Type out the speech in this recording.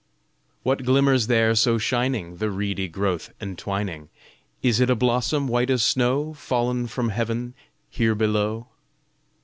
What glimmers there so shining The reedy growth entwining? Is it a blossom white as snow Fallen from heav'n here below?